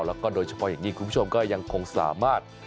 แล้วก็โดยเฉพาะอย่างนี้คุณผู้ชมก็ยังคงสามารถ